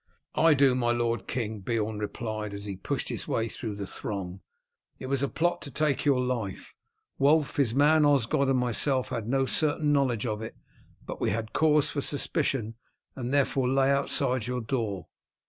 "I do, my lord king," Beorn replied as he pushed his way through the throng. "It was a plot to take your life. Wulf, his man Osgod, and myself had no certain knowledge of it, but we had cause for suspicion, and therefore lay outside your door.